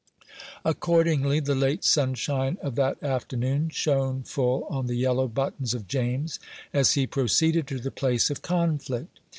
Accordingly the late sunshine of that afternoon shone full on the yellow buttons of James as he proceeded to the place of conflict.